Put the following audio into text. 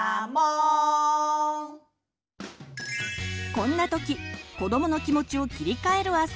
こんな時子どもの気持ちを切り替えるあそび